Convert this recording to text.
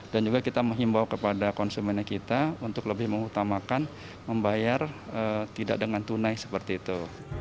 dan juga kita membawa kepada konsumennya kita untuk lebih mengutamakan membayar tidak dengan tunai seperti itu